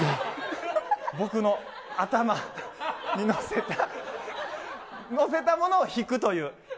僕の頭に載せた、載せたものを引くという。